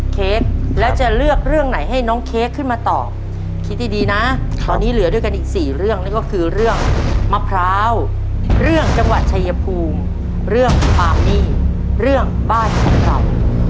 เค้กแล้วจะเลือกเรื่องไหนให้น้องเค้กขึ้นมาตอบคิดดีนะตอนนี้เหลือด้วยกันอีก๔เรื่องนั่นก็คือเรื่องมะพร้าวเรื่องจังหวัดชายภูมิเรื่องปาร์ตี้เรื่องบ้านของเรา